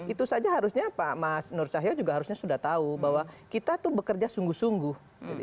itu saja harusnya pak mas nur cahyo juga harusnya sudah tahu bahwa kita itu bekerja sungguh sungguh